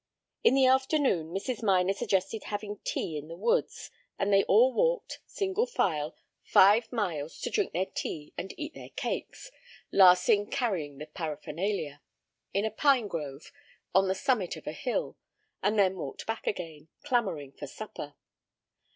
In the afternoon Mrs. Minor suggested having tea in the woods, and they all walked single file five miles to drink their tea and eat their cakes (Larsing carrying the paraphernalia) in a pine grove on the summit of a hill, and then walked back again, clamoring for supper.